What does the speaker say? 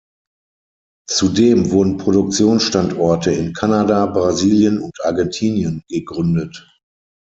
Zudem wurden Produktionsstandorte in Kanada, Brasilien und Argentinien gegründet.